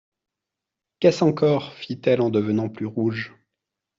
Qu'est-ce encore ! fit-elle, en devenant plus rouge.